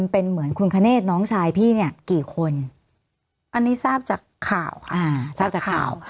เป็นเหมือนคุณคเนธน้องชายพี่เนี่ยกี่คนอันนี้ทราบจากข่าวทราบจากข่าว